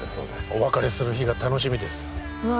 お別れする日が楽しみですわ